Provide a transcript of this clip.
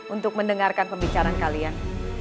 untuk mendengarkan pembicaraan kalian